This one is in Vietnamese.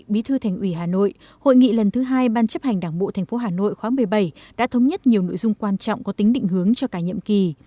bí thư thành ủy hà nội hội nghị lần thứ hai ban chấp hành đảng bộ tp hà nội khóa một mươi bảy đã thống nhất nhiều nội dung quan trọng có tính định hướng cho cả nhiệm kỳ